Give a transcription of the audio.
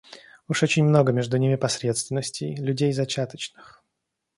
Уж очень много между ними посредственностей, людей зачаточных.